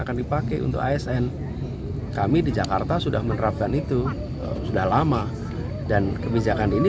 akan dipakai untuk asn kami di jakarta sudah menerapkan itu sudah lama dan kebijakan ini